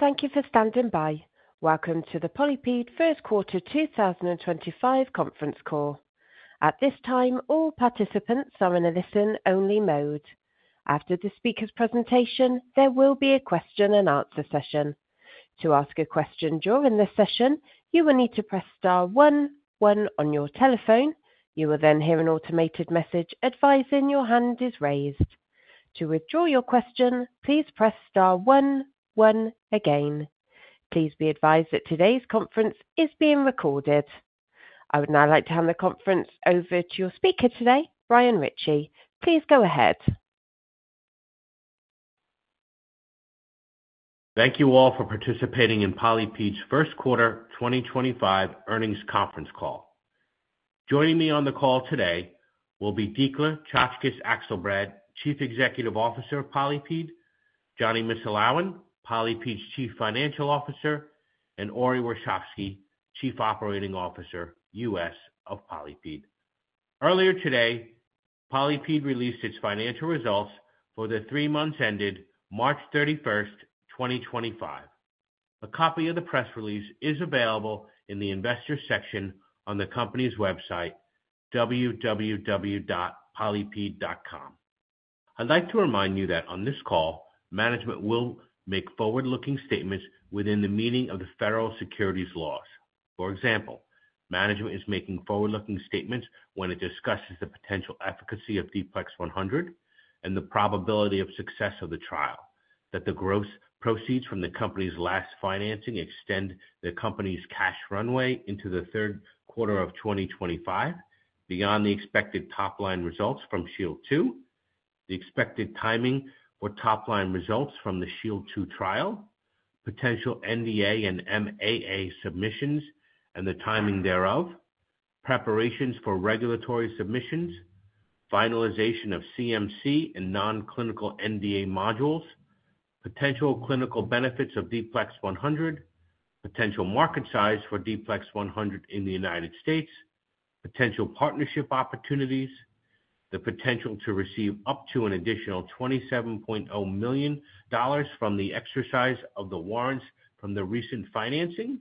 Thank you for standing by. Welcome to the PolyPid First Quarter 2025 Conference Call. At this time, all participants are in a listen-only mode. After the speaker's presentation, there will be a question-and-answer session. To ask a question during this session, you will need to press star 1, 1 on your telephone. You will then hear an automated message advising your hand is raised. To withdraw your question, please press star 1, 1 again. Please be advised that today's conference is being recorded. I would now like to hand the conference over to your speaker today, Brian Ritchie. Please go ahead. Thank you all for participating in PolyPid's First Quarter 2025 earnings conference call. Joining me on the call today will be Dikla Czaczkes Akselbrad, Chief Executive Officer of PolyPid, Jonny Missulawin, PolyPid's Chief Financial Officer, and Ori Warshavsky, Chief Operating Officer, U.S. of PolyPid. Earlier today, PolyPid released its financial results for the three months ended March 31, 2025. A copy of the press release is available in the investor section on the company's website, www.polypid.com. I'd like to remind you that on this call, management will make forward-looking statements within the meaning of the federal securities laws. For example, management is making forward-looking statements when it discusses the potential efficacy of D-PLEX 100 and the probability of success of the trial, that the gross proceeds from the company's last financing extend the company's cash runway into the third quarter of 2025, beyond the expected top-line results from Shield 2, the expected timing for top-line results from the Shield 2 trial, potential NDA and MAA submissions and the timing thereof, preparations for regulatory submissions, finalization of CMC and non-clinical NDA modules, potential clinical benefits of D-PLEX 100, potential market size for D-PLEX 100 in the United States, potential partnership opportunities, the potential to receive up to an additional $27.0 million from the exercise of the warrants from the recent financing,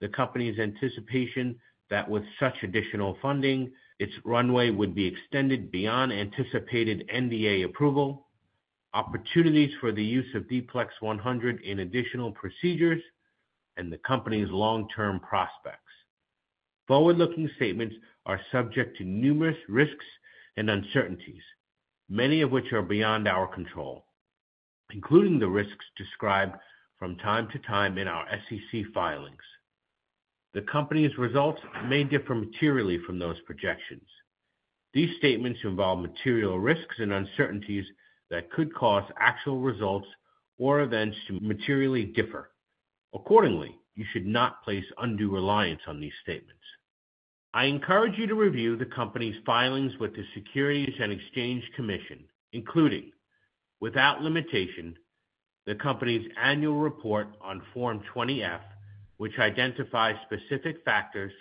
the company's anticipation that with such additional funding, its runway would be extended beyond anticipated NDA approval, opportunities for the use of D-PLEX 100 in additional procedures, and the company's long-term prospects. Forward-looking statements are subject to numerous risks and uncertainties, many of which are beyond our control, including the risks described from time to time in our SEC filings. The company's results may differ materially from those projections. These statements involve material risks and uncertainties that could cause actual results or events to materially differ. Accordingly, you should not place undue reliance on these statements. I encourage you to review the company's filings with the Securities and Exchange Commission, including without limitation, the company's annual report on Form 20F, which identifies specific factors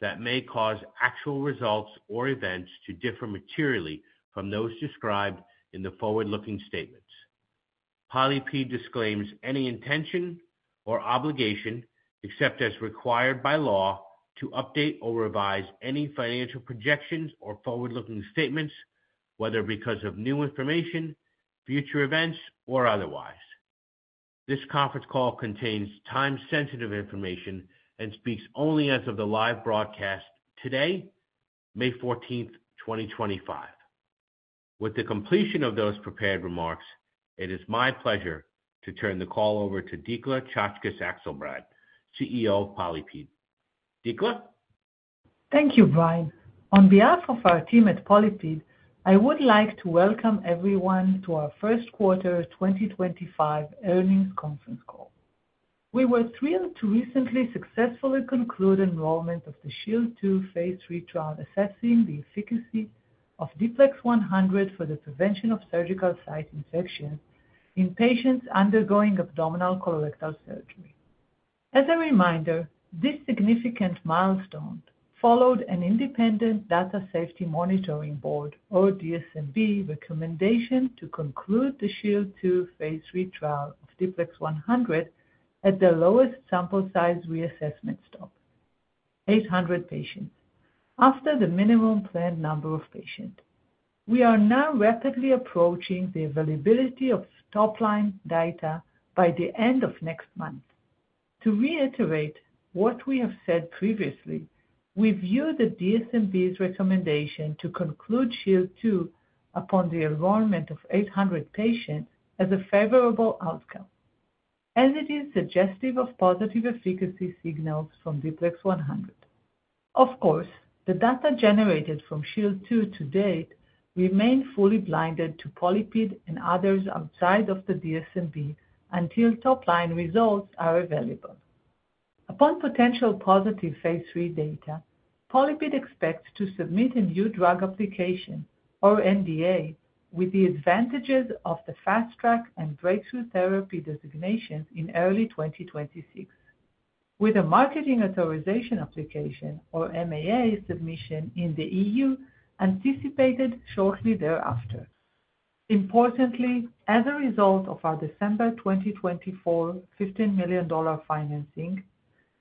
that may cause actual results or events to differ materially from those described in the forward-looking statements. PolyPid disclaims any intention or obligation, except as required by law, to update or revise any financial projections or forward-looking statements, whether because of new information, future events, or otherwise. This conference call contains time-sensitive information and speaks only as of the live broadcast today, May 14th, 2025. With the completion of those prepared remarks, it is my pleasure to turn the call over to Dikla Czaczkes Akselbrad, CEO of PolyPid. Dikla? Thank you, Brian. On behalf of our team at PolyPid, I would like to welcome everyone to our first quarter 2025 earnings conference call. We were thrilled to recently successfully conclude enrollment of the Shield 2 phase 3 trial assessing the efficacy of D-PLEX 100 for the prevention of surgical site infections in patients undergoing abdominal colorectal surgery. As a reminder, this significant milestone followed an independent Data Safety Monitoring Board, or DSMB, recommendation to conclude the Shield 2 phase 3 trial of D-PLEX 100 at the lowest sample size reassessment stop, 800 patients, after the minimum planned number of patients. We are now rapidly approaching the availability of top-line data by the end of next month. To reiterate what we have said previously, we view the DSMB's recommendation to conclude Shield 2 upon the enrollment of 800 patients as a favorable outcome, as it is suggestive of positive efficacy signals from D-PLEX 100. Of course, the data generated from Shield 2 to date remain fully blinded to PolyPid and others outside of the DSMB until top-line results are available. Upon potential positive phase 3 data, PolyPid expects to submit a new drug application, or NDA, with the advantages of the fast-track and breakthrough therapy designations in early 2026, with a marketing authorization application, or MAA, submission in the EU anticipated shortly thereafter. Importantly, as a result of our December 2024 $15 million financing,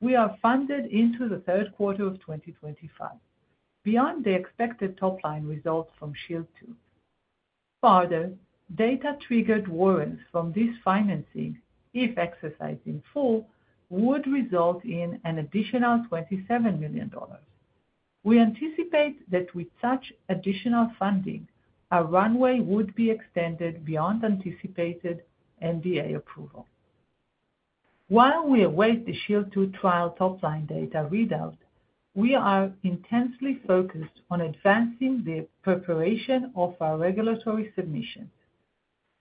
we are funded into the third quarter of 2025, beyond the expected top-line results from Shield 2. Further, data-triggered warrants from this financing, if exercised in full, would result in an additional $27 million. We anticipate that with such additional funding, our runway would be extended beyond anticipated NDA approval. While we await the Shield 2 trial top-line data readout, we are intensely focused on advancing the preparation of our regulatory submissions.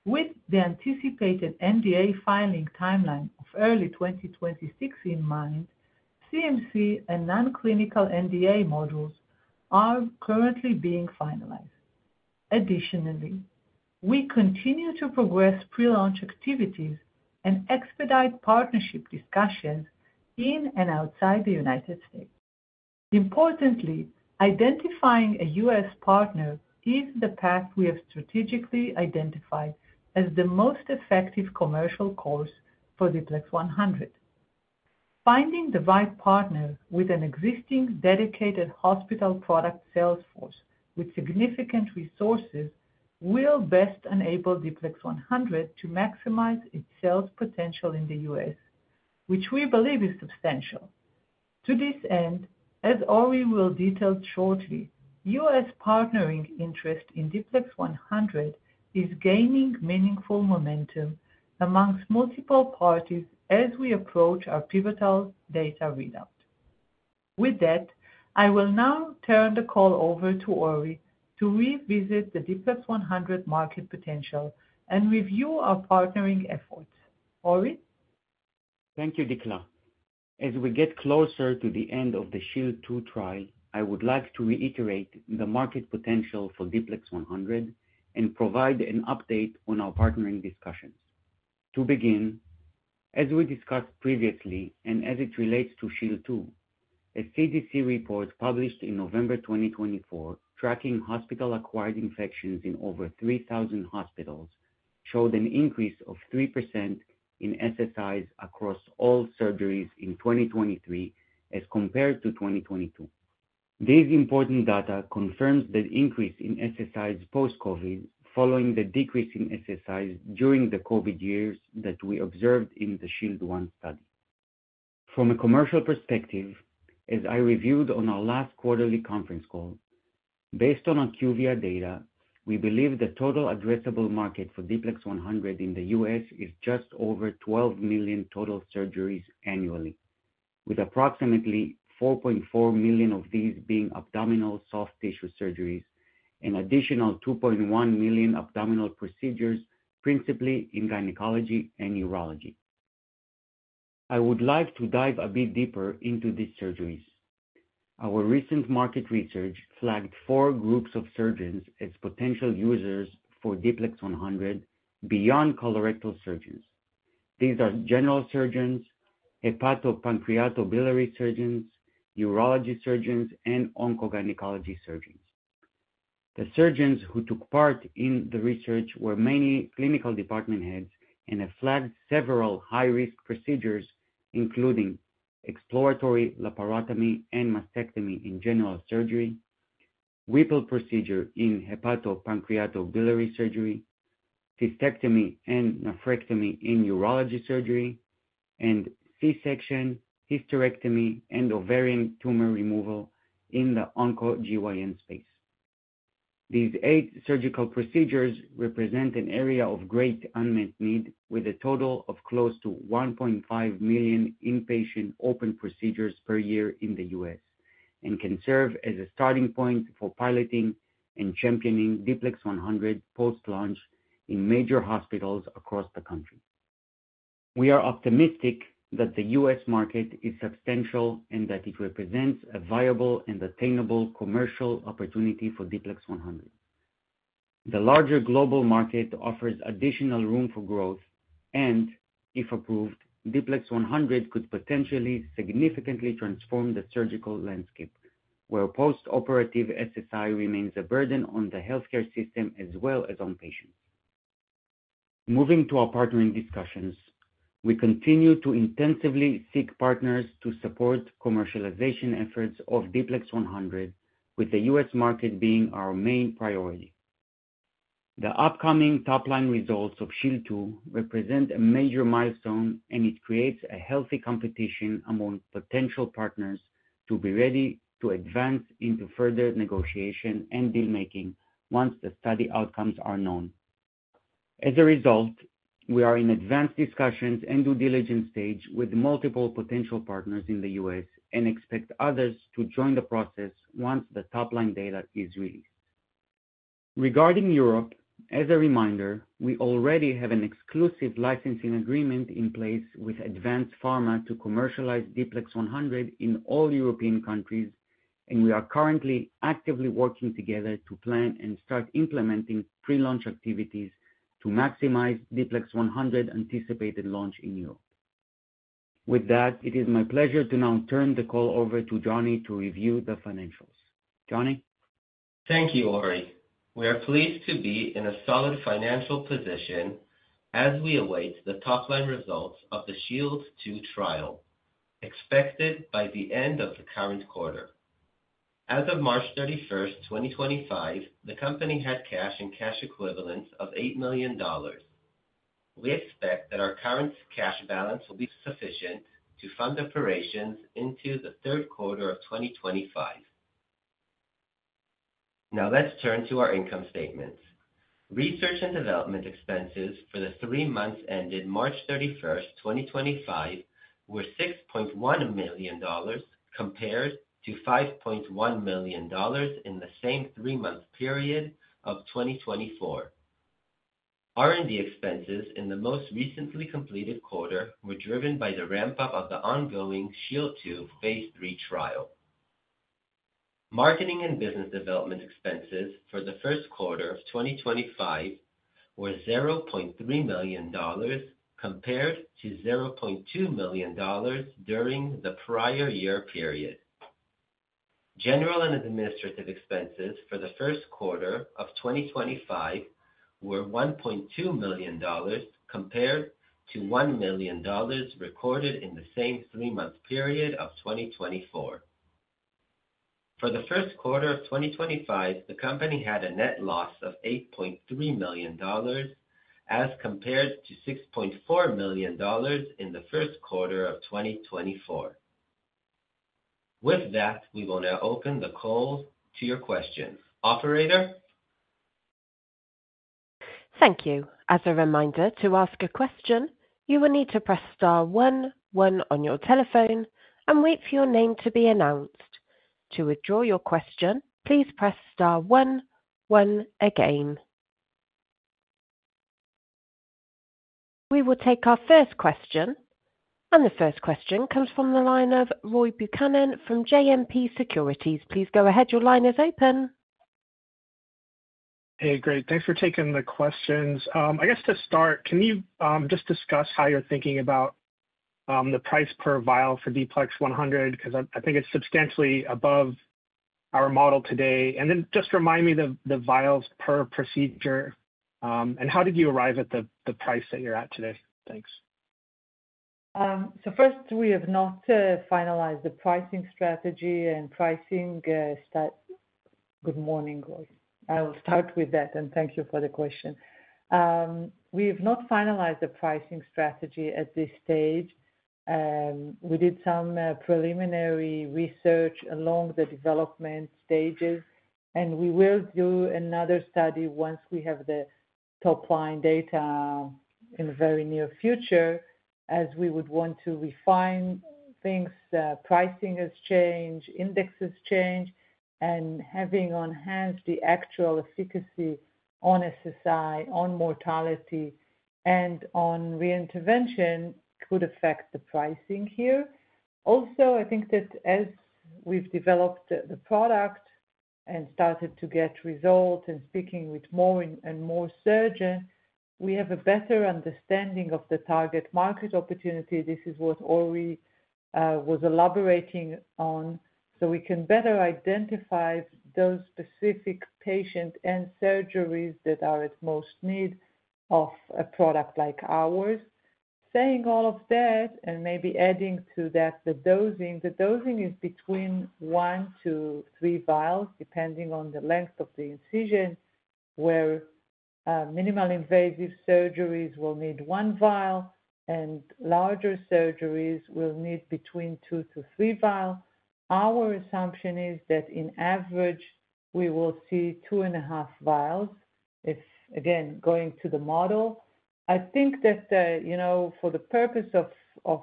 With the anticipated NDA filing timeline of early 2026 in mind, CMC and non-clinical NDA modules are currently being finalized. Additionally, we continue to progress pre-launch activities and expedite partnership discussions in and outside the U.S. Importantly, identifying a U.S. partner is the path we have strategically identified as the most effective commercial course for D-PLEX 100. Finding the right partner with an existing dedicated hospital product sales force with significant resources will best enable D-PLEX 100 to maximize its sales potential in the U.S., which we believe is substantial. To this end, as Ori will detail shortly, U.S. partnering interest in D-PLEX 100 is gaining meaningful momentum amongst multiple parties as we approach our pivotal data readout. With that, I will now turn the call over to Ori to revisit the D-PLEX 100 market potential and review our partnering efforts. Ori? Thank you, Dikla. As we get closer to the end of the Shield 2 trial, I would like to reiterate the market potential for D-PLEX 100 and provide an update on our partnering discussions. To begin, as we discussed previously and as it relates to Shield 2, a CDC report published in November 2024 tracking hospital-acquired infections in over 3,000 hospitals showed an increase of 3% in SSIs across all surgeries in 2023 as compared to 2022. This important data confirms the increase in SSIs post-COVID following the decrease in SSIs during the COVID years that we observed in the Shield 1 study. From a commercial perspective, as I reviewed on our last quarterly conference call, based on our QVIA data, we believe the total addressable market for D-PLEX 100 in the U.S. is just over 12 million total surgeries annually, with approximately 4.4 million of these being abdominal soft tissue surgeries and additional 2.1 million abdominal procedures principally in gynecology and urology. I would like to dive a bit deeper into these surgeries. Our recent market research flagged four groups of surgeons as potential users for D-PLEX 100 beyond colorectal surgeons. These are general surgeons, hepatopancreatobiliary surgeons, urology surgeons, and oncogynecology surgeons. The surgeons who took part in the research were mainly clinical department heads and have flagged several high-risk procedures, including exploratory laparotomy and mastectomy in general surgery, Whipple procedure in hepatopancreatobiliary surgery, cystectomy and nephrectomy in urology surgery, and C-section, hysterectomy, and ovarian tumor removal in the oncogyn space. These eight surgical procedures represent an area of great unmet need, with a total of close to 1.5 million inpatient open procedures per year in the U.S. and can serve as a starting point for piloting and championing D-PLEX 100 post-launch in major hospitals across the country. We are optimistic that the U.S. market is substantial and that it represents a viable and attainable commercial opportunity for D-PLEX 100. The larger global market offers additional room for growth, and if approved, D-PLEX 100 could potentially significantly transform the surgical landscape, where post-operative SSI remains a burden on the healthcare system as well as on patients. Moving to our partnering discussions, we continue to intensively seek partners to support commercialization efforts of D-PLEX 100, with the U.S. market being our main priority. The upcoming top-line results of Shield 2 represent a major milestone, and it creates a healthy competition among potential partners to be ready to advance into further negotiation and deal-making once the study outcomes are known. As a result, we are in advanced discussions and due diligence stage with multiple potential partners in the U.S. and expect others to join the process once the top-line data is released. Regarding Europe, as a reminder, we already have an exclusive licensing agreement in place with Advanced Pharma to commercialize D-PLEX 100 in all European countries, and we are currently actively working together to plan and start implementing pre-launch activities to maximize D-PLEX 100 anticipated launch in Europe. With that, it is my pleasure to now turn the call over to Jonny to review the financials. Jonny? Thank you, Ori. We are pleased to be in a solid financial position as we await the top-line results of the Shield 2 trial, expected by the end of the current quarter. As of March 31, 2025, the company had cash and cash equivalents of $8 million. We expect that our current cash balance will be sufficient to fund operations into the third quarter of 2025. Now let's turn to our income statements. Research and development expenses for the three months ended March 31, 2025, were $6.1 million compared to $5.1 million in the same three-month period of 2024. R&D expenses in the most recently completed quarter were driven by the ramp-up of the ongoing Shield 2 phase 3 trial. Marketing and business development expenses for the first quarter of 2025 were $0.3 million compared to $0.2 million during the prior year period. General and administrative expenses for the first quarter of 2025 were $1.2 million compared to $1 million recorded in the same three-month period of 2024. For the first quarter of 2025, the company had a net loss of $8.3 million as compared to $6.4 million in the first quarter of 2024. With that, we will now open the call to your questions. Operator? Thank you. As a reminder, to ask a question, you will need to press star 1, 1 on your telephone, and wait for your name to be announced. To withdraw your question, please press star 1, 1 again. We will take our first question. The first question comes from the line of Roy Buchanan from JMP Securities. Please go ahead. Your line is open. Hey, great. Thanks for taking the questions. I guess to start, can you just discuss how you're thinking about the price per vial for D-PLEX 100? Because I think it's substantially above our model today. And then just remind me of the vials per procedure. And how did you arrive at the price that you're at today? Thanks. First, we have not finalized the pricing strategy and pricing. Good morning, Roy. I will start with that, and thank you for the question. We have not finalized the pricing strategy at this stage. We did some preliminary research along the development stages, and we will do another study once we have the top-line data in the very near future, as we would want to refine things. Pricing has changed, indexes change, and having on hand the actual efficacy on SSI, on mortality, and on reintervention could affect the pricing here. Also, I think that as we've developed the product and started to get results and speaking with more and more surgeons, we have a better understanding of the target market opportunity. This is what Ori was elaborating on, so we can better identify those specific patients and surgeries that are at most need of a product like ours. Saying all of that, and maybe adding to that the dosing. The dosing is between one to three vials, depending on the length of the incision, where minimal invasive surgeries will need one vial and larger surgeries will need between two to three vials. Our assumption is that in average, we will see two and a half vials, if again, going to the model. I think that for the purpose of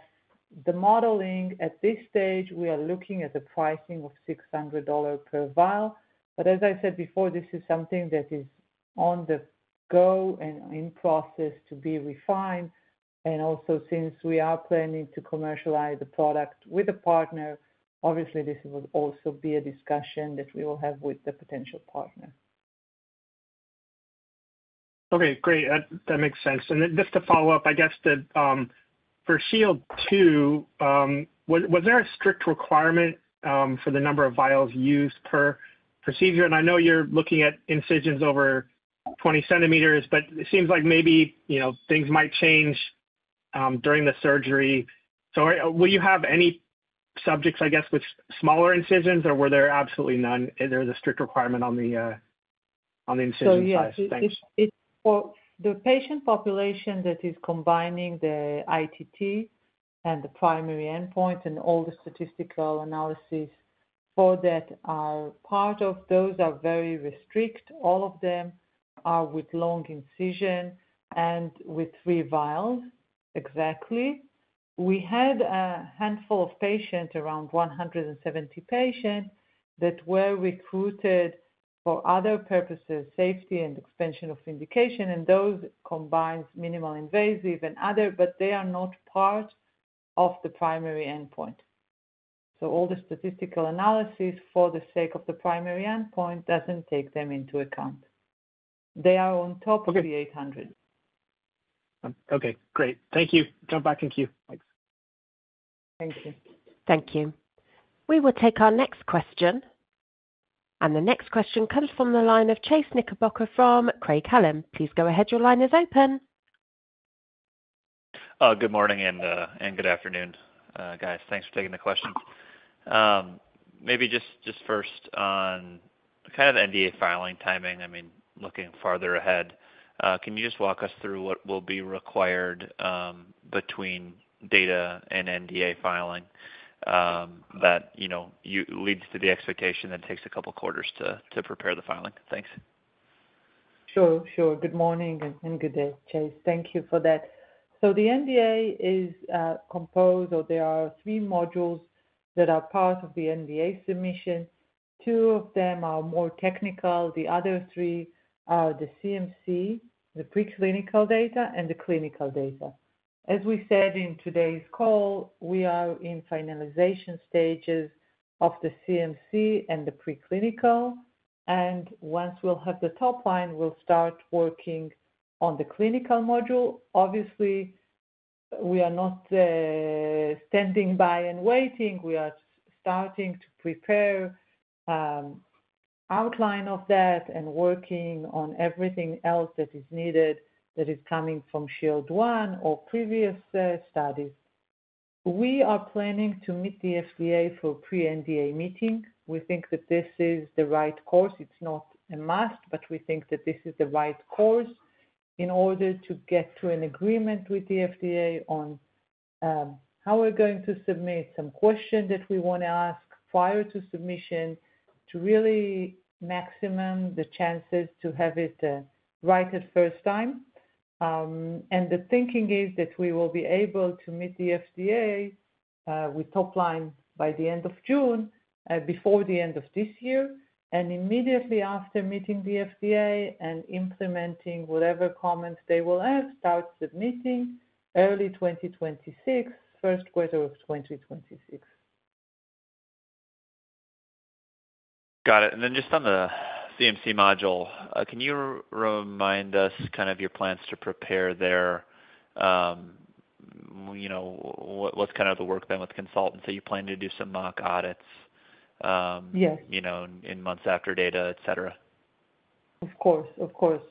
the modeling at this stage, we are looking at a pricing of $600 per vial. As I said before, this is something that is on the go and in process to be refined. Also, since we are planning to commercialize the product with a partner, obviously, this will also be a discussion that we will have with the potential partner. Okay, great. That makes sense. Just to follow up, I guess that for Shield 2, was there a strict requirement for the number of vials used per procedure? I know you're looking at incisions over 20 centimeters, but it seems like maybe things might change during the surgery. Will you have any subjects, I guess, with smaller incisions, or were there absolutely none? There was a strict requirement on the incision size. Yes, for the patient population that is combining the ITT and the primary endpoint and all the statistical analysis for that, part of those are very restrict. All of them are with long incision and with three vials exactly. We had a handful of patients, around 170 patients, that were recruited for other purposes, safety and expansion of indication, and those combine minimal invasive and other, but they are not part of the primary endpoint. All the statistical analysis for the sake of the primary endpoint does not take them into account. They are on top of the 800. Okay, great. Thank you. Jump back in queue. Thanks. Thank you. Thank you. We will take our next question. The next question comes from the line of Chase Knickerbocker from Craig-Hallum. Please go ahead. Your line is open. Good morning and good afternoon, guys. Thanks for taking the question. Maybe just first on kind of NDA filing timing, I mean, looking farther ahead, can you just walk us through what will be required between data and NDA filing that leads to the expectation that it takes a couple of quarters to prepare the filing? Thanks. Sure, sure. Good morning and good day, Chase. Thank you for that. The NDA is composed of—there are three modules that are part of the NDA submission. Two of them are more technical. The other three are the CMC, the preclinical data, and the clinical data. As we said in today's call, we are in finalization stages of the CMC and the preclinical. Once we'll have the top-line, we'll start working on the clinical module. Obviously, we are not standing by and waiting. We are starting to prepare the outline of that and working on everything else that is needed that is coming from Shield 1 or previous studies. We are planning to meet the FDA for a pre-NDA meeting. We think that this is the right course. It's not a must, but we think that this is the right course in order to get to an agreement with the FDA on how we're going to submit, some questions that we want to ask prior to submission to really maximize the chances to have it right at first time. The thinking is that we will be able to meet the FDA with top-line by the end of June, before the end of this year, and immediately after meeting the FDA and implementing whatever comments they will have, start submitting early 2026, first quarter of 2026. Got it. And then just on the CMC module, can you remind us kind of your plans to prepare there? What's kind of the work done with consultants? Are you planning to do some mock audits in months after data, etc.? Of course, of course.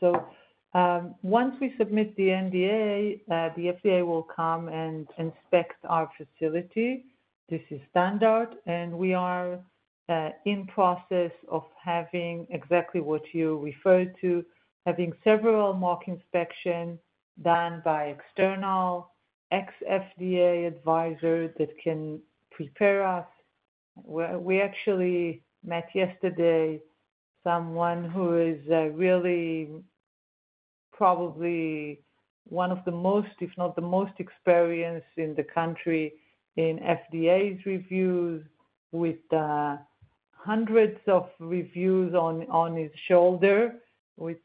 Once we submit the NDA, the FDA will come and inspect our facility. This is standard. We are in process of having exactly what you referred to, having several mock inspections done by external ex-FDA advisors that can prepare us. We actually met yesterday someone who is really probably one of the most, if not the most experienced in the country in FDA's reviews, with hundreds of reviews on his shoulder, with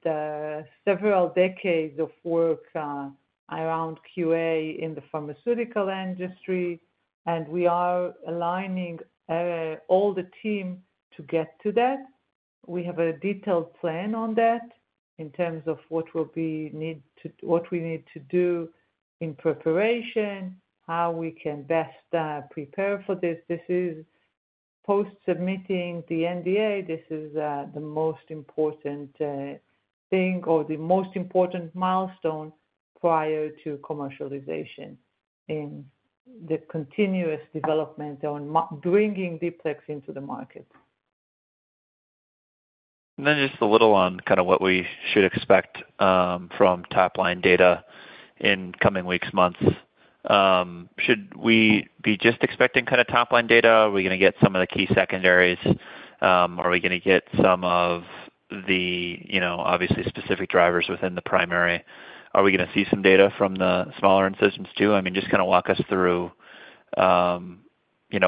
several decades of work around QA in the pharmaceutical industry. We are aligning all the team to get to that. We have a detailed plan on that in terms of what we need to do in preparation, how we can best prepare for this. This is post-submitting the NDA. This is the most important thing or the most important milestone prior to commercialization in the continuous development on bringing D-PLEX 100 into the market. Just a little on kind of what we should expect from top-line data in coming weeks, months. Should we be just expecting kind of top-line data? Are we going to get some of the key secondaries? Are we going to get some of the, obviously, specific drivers within the primary? Are we going to see some data from the smaller incisions too? I mean, just kind of walk us through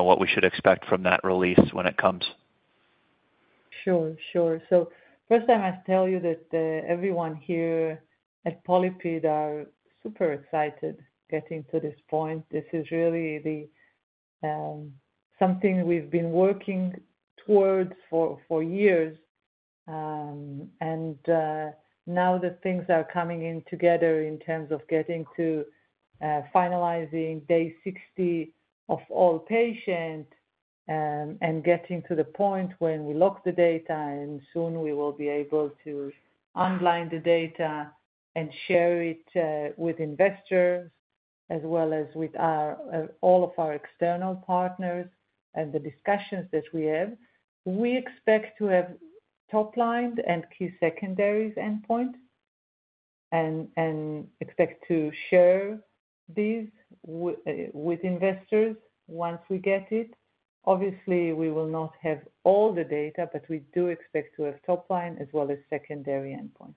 what we should expect from that release when it comes. Sure, sure. First, I must tell you that everyone here at PolyPid are super excited getting to this point. This is really something we've been working towards for years. Now the things are coming in together in terms of getting to finalizing day 60 of all patients and getting to the point when we lock the data, and soon we will be able to unblind the data and share it with investors as well as with all of our external partners and the discussions that we have. We expect to have top line and key secondary endpoints and expect to share these with investors once we get it. Obviously, we will not have all the data, but we do expect to have top line as well as secondary endpoints.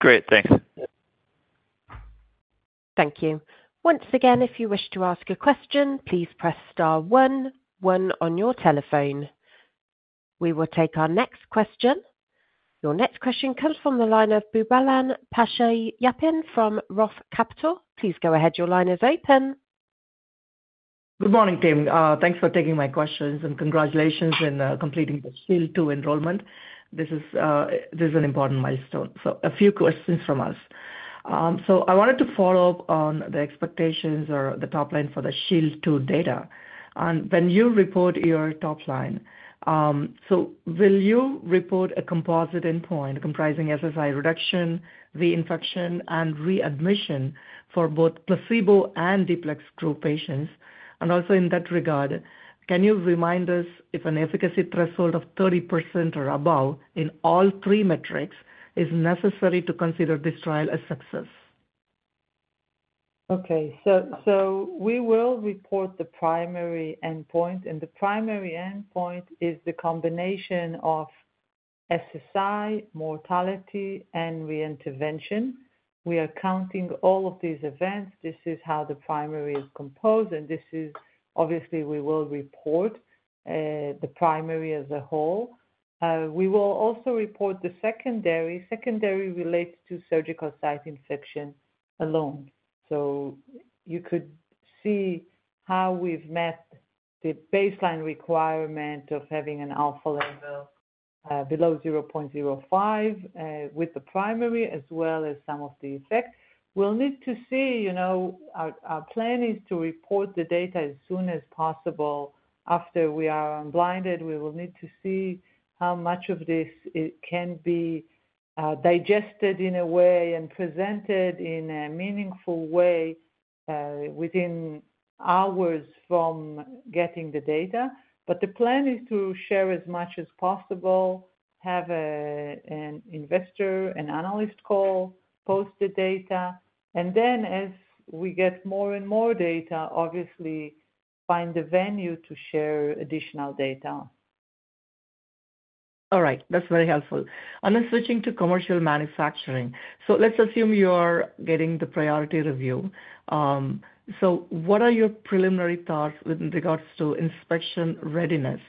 Great. Thanks. Thank you. Once again, if you wish to ask a question, please press star one, one on your telephone. We will take our next question. Your next question comes from the line of Boobalan Pachaiyappan from Roth Capital. Please go ahead. Your line is open. Good morning, team. Thanks for taking my questions and congratulations in completing the Shield 2 enrollment. This is an important milestone. A few questions from us. I wanted to follow up on the expectations or the top line for the Shield 2 data. When you report your top line, will you report a composite endpoint comprising SSI reduction, reinfection, and readmission for both placebo and D-PLEX 100 group patients? Also in that regard, can you remind us if an efficacy threshold of 30% or above in all three metrics is necessary to consider this trial a success? Okay. We will report the primary endpoint. The primary endpoint is the combination of SSI, mortality, and reintervention. We are counting all of these events. This is how the primary is composed. Obviously, we will report the primary as a whole. We will also report the secondary. Secondary relates to surgical site infection alone. You could see how we have met the baseline requirement of having an alpha level below 0.05 with the primary as well as some of the effects. We will need to see. Our plan is to report the data as soon as possible. After we are unblinded, we will need to see how much of this can be digested in a way and presented in a meaningful way within hours from getting the data. The plan is to share as much as possible, have an investor, an analyst call, post the data. As we get more and more data, obviously, find the venue to share additional data. All right. That's very helpful. Then switching to commercial manufacturing. Let's assume you're getting the priority review. What are your preliminary thoughts with regards to inspection readiness?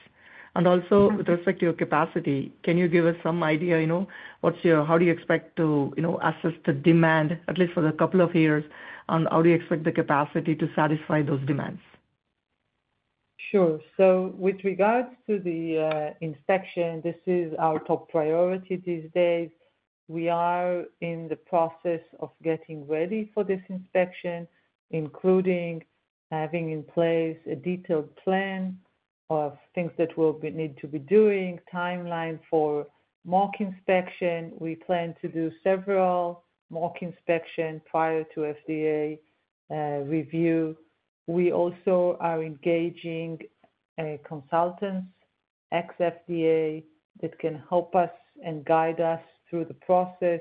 Also, with respect to your capacity, can you give us some idea? How do you expect to assess the demand, at least for the couple of years, and how do you expect the capacity to satisfy those demands? Sure. With regards to the inspection, this is our top priority these days. We are in the process of getting ready for this inspection, including having in place a detailed plan of things that we'll need to be doing, timeline for mock inspection. We plan to do several mock inspections prior to FDA review. We also are engaging consultants, ex-FDA, that can help us and guide us through the process.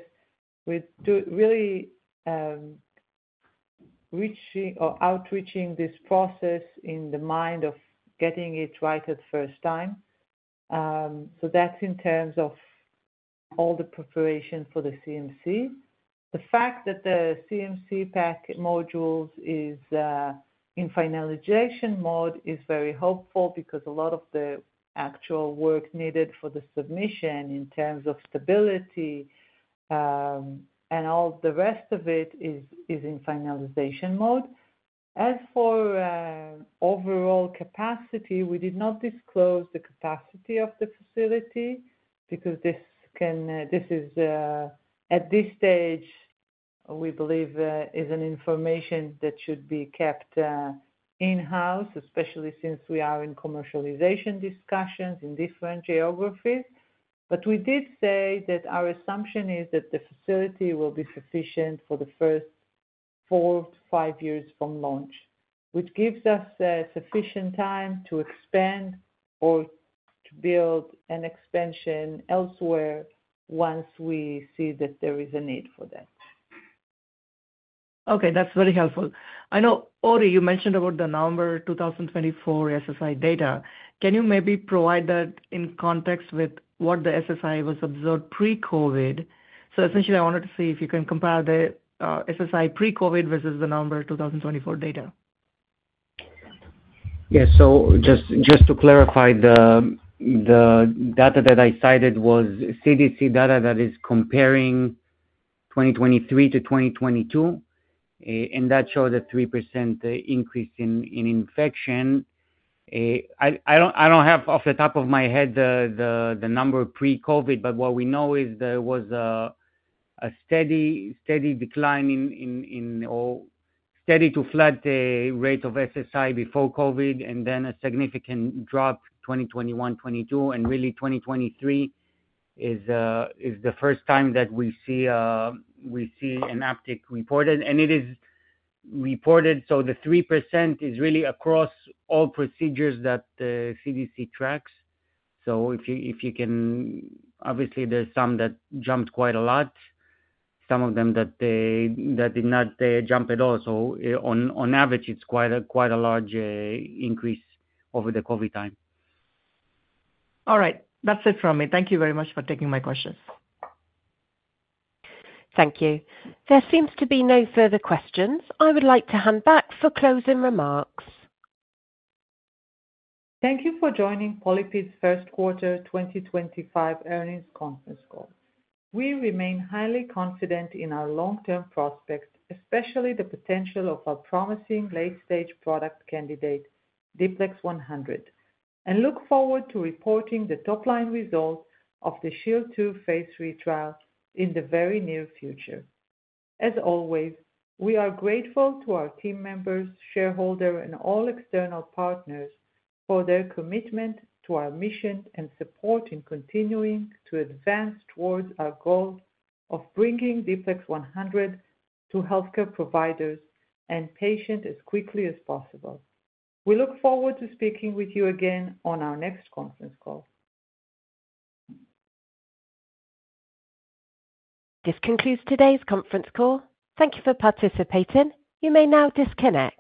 We're really outreaching this process in the mind of getting it right at first time. That's in terms of all the preparation for the CMC. The fact that the CMC pack modules is in finalization mode is very hopeful because a lot of the actual work needed for the submission in terms of stability and all the rest of it is in finalization mode. As for overall capacity, we did not disclose the capacity of the facility because this can, at this stage, we believe, is an information that should be kept in-house, especially since we are in commercialization discussions in different geographies. We did say that our assumption is that the facility will be sufficient for the first four to five years from launch, which gives us sufficient time to expand or to build an expansion elsewhere once we see that there is a need for that. Okay. That's very helpful. I know, Ori, you mentioned about the number 2024 SSI data. Can you maybe provide that in context with what the SSI was observed pre-COVID? Essentially, I wanted to see if you can compare the SSI pre-COVID versus the number 2024 data. Yeah. So just to clarify, the data that I cited was CDC data that is comparing 2023 to 2022. That showed a 3% increase in infection. I do not have off the top of my head the number pre-COVID, but what we know is there was a steady decline in or steady to flat rate of SSI before COVID, and then a significant drop 2021, 2022. Really, 2023 is the first time that we see an uptick reported. It is reported. The 3% is really across all procedures that the CDC tracks. If you can, obviously, there are some that jumped quite a lot, some of them that did not jump at all. On average, it is quite a large increase over the COVID time. All right. That's it from me. Thank you very much for taking my questions. Thank you. There seems to be no further questions. I would like to hand back for closing remarks. Thank you for joining PolyPid's first quarter 2025 earnings conference call. We remain highly confident in our long-term prospects, especially the potential of a promising late-stage product candidate, D-PLEX 100, and look forward to reporting the top-line result of the Shield 2 phase 3 trial in the very near future. As always, we are grateful to our team members, shareholders, and all external partners for their commitment to our mission and support in continuing to advance towards our goal of bringing D-PLEX 100 to healthcare providers and patients as quickly as possible. We look forward to speaking with you again on our next conference call. This concludes today's conference call. Thank you for participating. You may now disconnect.